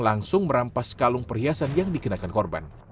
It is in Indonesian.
langsung merampas kalung perhiasan yang dikenakan korban